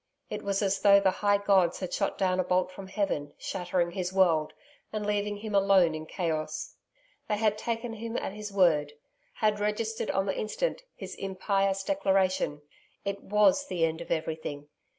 It was as though the high gods had shot down a bolt from heaven, shattering his world, and leaving him alone in Chaos. They had taken him at his word had registered on the instant his impious declaration. It WAS the end of everything.